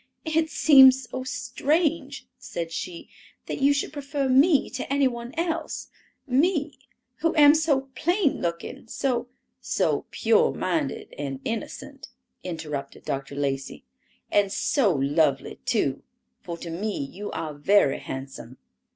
"It seems so strange," said she, "that you should prefer me to any one else, me, who am so plain looking, so—" "So pure minded and innocent," interrupted Dr. Lacey, "and so lovely, too, for to me you are very handsome.